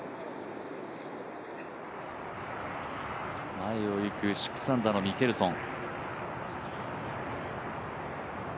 前をいく６アンダーのミケルソン。